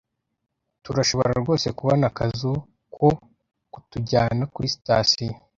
Turashobora rwose kubona akazu ko kutujyana kuri sitasiyo.